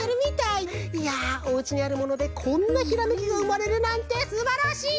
いやおうちにあるものでこんなひらめきがうまれるなんてすばらしい！